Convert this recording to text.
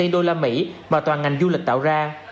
đây là mỹ mà toàn ngành du lịch tạo ra